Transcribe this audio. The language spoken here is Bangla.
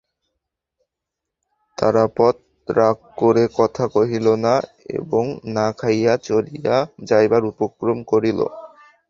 তারাপদ রাগ করিয়া কথা কহিল না এবং না খাইয়া চলিয়া যাইবার উপক্রম করিল।